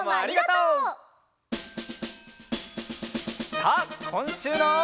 さあこんしゅうの。